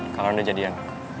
kalian udah jadian